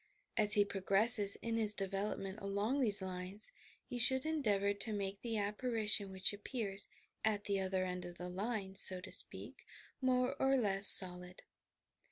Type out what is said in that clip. As he prog resses in his development along these lines, he should endeavour to make the apparition which appears "at the other end of the line," so to speak, more or less solid.